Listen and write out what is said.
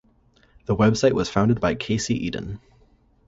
The website was founded by Casey Eden.